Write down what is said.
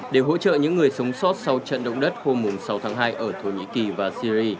để hỗ trợ những người sống sót sau trận động đất hôm sáu tháng hai ở thổ nhĩ kỳ và syri